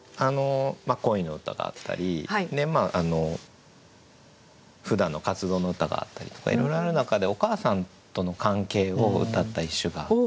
恋の歌があったりふだんの活動の歌があったりとかいろいろある中でお母さんとの関係をうたった一首があって。